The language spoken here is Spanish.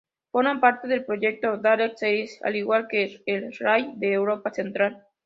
Forma parte del proyecto Dakar Series, al igual que el Rally de Europa Central.